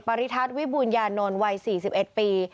ปาริทัศน์วิบุญญานนวัย๔๑ปี